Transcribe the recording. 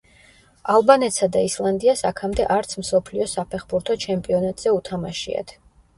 ალბანეთსა და ისლანდიას აქამდე არც მსოფლიო საფეხბურთო ჩემპიონატზე უთამაშიათ.